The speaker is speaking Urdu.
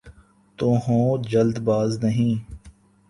تو ہوں‘ جلد باز نہیں۔